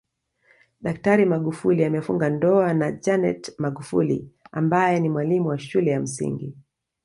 Daktari Magufuli amefunga ndoa na Janeth magufuli ambaye ni mwalimu wa shule ya msingi